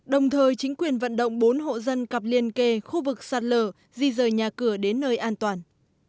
đồng thời chính quyền vận động bốn hộ dân cặp liên kề khu vực sạt lở di rời nhà cửa đến nơi an toàn